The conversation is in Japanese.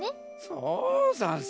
そうざんす。